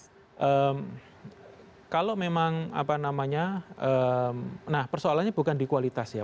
nah kalau memang apa namanya nah persoalannya bukan di kualitas ya